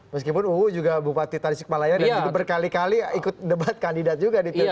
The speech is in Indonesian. meskipun uu juga bupati tari sikmalaya dan juga berkali kali ikut debat kandidat juga di tari sikmalaya